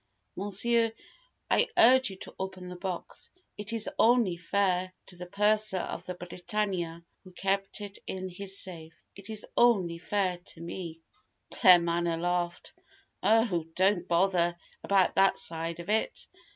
Monsieur, I urge you to open the box. It is only fair to the Purser of the Britannia, who kept it in his safe. It is only fair to me " Claremanagh laughed. "Oh, don't bother about that side of it!